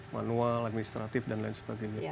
manual administratif dan lain sebagainya